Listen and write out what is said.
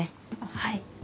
はい。